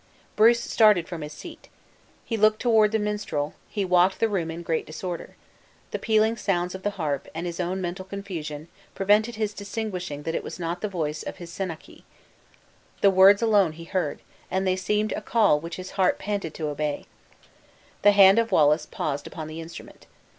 Bruce started from his seat. He looked toward the minstrel he walked the room in great disorder. The pealing sounds of the harp, and his own mental confusion, prevented his distinguishing that it was not the voice of his senachie. The words alone he heard; and they seemed a call which his heart panted to obey. The hand of Wallace paused upon the instrument.